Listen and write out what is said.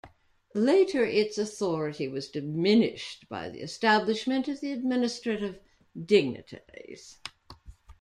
Later its authority was diminished by the establishment of administrative dignitaries.